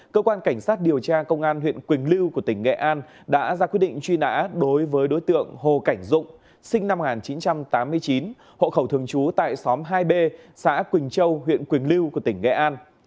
cơ quan cảnh sát điều tra công an huyện quỳnh lưu của tỉnh nghệ an đã ra quyết định truy nã đối với đối tượng hồ cảnh dụng sinh năm một nghìn chín trăm tám mươi chín hộ khẩu thường trú tại xóm hai b xã quỳnh châu huyện quỳnh lưu của tỉnh nghệ an